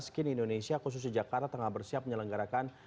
kini indonesia khususnya jakarta tengah bersiap menyelenggarakan